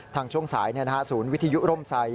ทางช่วงสายเนี่ยนะฮะศูนย์วิทยุร่มไซย์